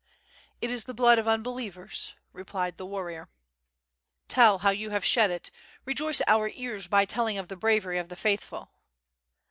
"It is the blood of unbelievers," replied the warrior. "Tell how you have shed it, rejoice our ears by telling of the bravery of the faithful."